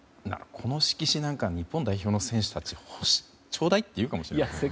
この色紙日本代表の選手たちちょうだいって言うかもしれませんね。